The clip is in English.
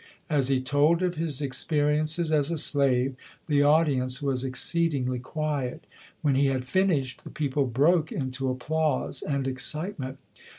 As he told of his experiences as a slave, the audience was exceedingly quiet. When he had finished, the people broke into applause and ex citement.